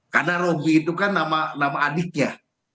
karena robi itu kan nama adiknya